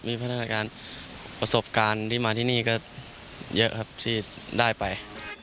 มีพัฒนาการประสบการณ์ที่มาที่นี่ก็เยอะครับที่ได้ไป